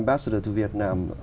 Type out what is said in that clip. vào quốc gia việt nam